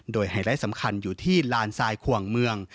โดยไฮไลท์สำคัญอยู่ที่ลานทรายขวงเมือง